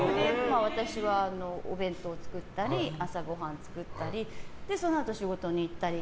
私はお弁当を作ったり朝ごはんを作ったりそのあと仕事に行ったり。